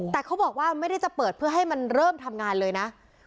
แต่เขาบอกว่าไม่ได้จะเปิดเพื่อให้มันเริ่มทำงานเลยนะ